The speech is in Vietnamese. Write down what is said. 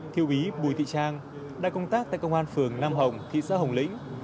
thiêu úy bùi thị trang đã công tác tại công an phường nam hồng thị xã hồng lĩnh